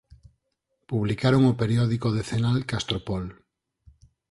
Publicaron o periódico decenal "Castropol".